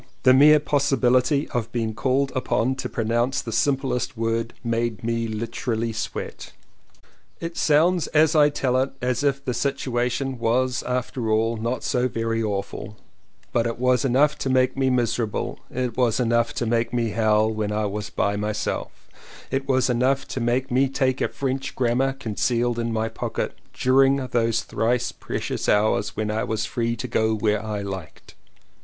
The mere possibility of being called upon to pronounce the simplest word made me literally sweat. It sounds as I tell it as if the situation was after all not so very awful — but it was enough to make me miserable, it was enough to make me howl when I was by myself, it was enough to make me take a French grammar, concealed in my pocket, during those thrice precious hours when I was free to go where I liked.